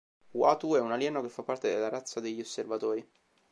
Uatu è un alieno che fa parte della razza degli Osservatori.